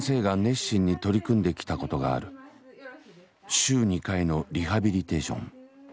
週２回のリハビリテーション。